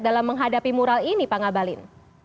dalam menghadapi mural ini pak ngabalin